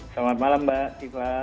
selamat malam mbak tifa